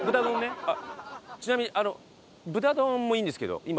ちなみにあの豚丼もいいんですけど今。